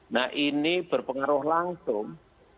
nah ini berpengaruh langsung